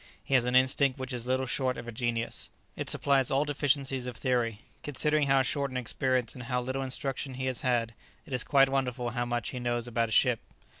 He has an instinct which is little short of a genius; it supplies all deficiencies of theory. Considering how short an experience and how little instruction he has had, it is quite wonderful how much he knows about a ship."